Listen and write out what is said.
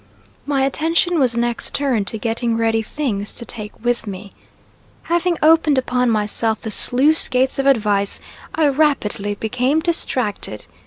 My attention was next turned to getting ready things to take with me. Having opened upon myself the sluice gates of advice, I rapidly became distracted.